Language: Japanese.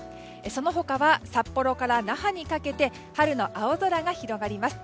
その他は札幌から那覇にかけて春の青空が広がります。